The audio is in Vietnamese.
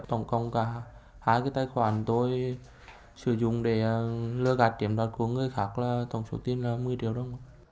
tổng cộng cả hai cái tài khoản tôi sử dụng để lừa gạt chiếm đoạt của người khác là tổng số tiền là một mươi triệu đồng